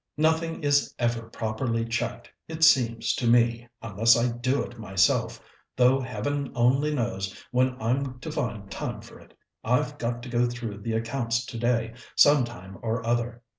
Nothing is ever properly checked, it seems to me, unless I do it myself, though Heaven only knows when I'm to find time for it. I've got to go through the accounts today, some time or other....